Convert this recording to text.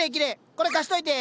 これ貸しといて！